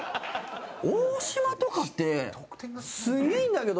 大島とかってすげえ、いいんだけど。